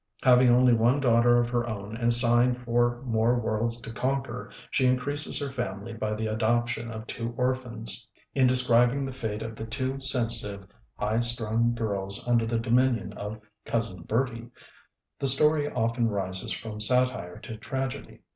Having only one daughter of her own, and sighing for more worlds to conquer, she increases her family by the adoption of two orphans. In describing the fate of the two sensitive, high strung girls under the dominion of "Cousin Bertie," the story often rises from satire to tragedy.